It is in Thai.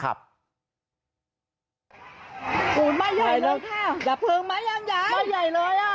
ไปเลยค่ะดับเพลิงมั้ยอย่างใหญ่ไม่ไหยเลยอ่ะ